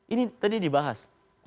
ini tadi dibahas